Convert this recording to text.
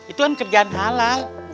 itu kan kerjaan halal